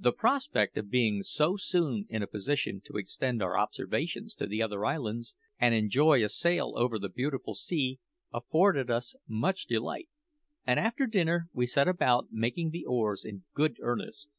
The prospect of being so soon in a position to extend our observations to the other islands, and enjoy a sail over the beautiful sea, afforded us much delight, and after dinner we set about making the oars in good earnest.